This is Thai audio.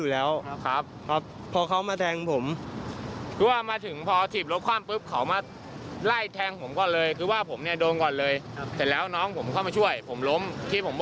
แล้วเข้าแขนเข้าขาเข้ากางเกงเข้าอะไรขาดหมดเลยพี่